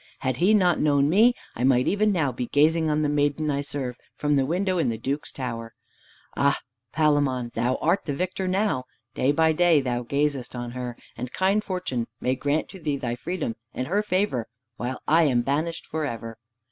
Had he not known me, I might even now be gazing on the maiden I serve, from the window in the Duke's tower. Ah, Palamon, thou art the victor now! Day by day thou gazest on her, and kind fortune may grant to thee thy freedom and her favor while I am banished for ever!